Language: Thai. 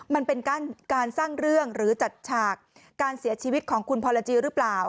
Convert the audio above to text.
มันเป็นการสร้างเรื่องหรือจัดฉากการเสียชีวิตของคุณพรจีหรือเปล่า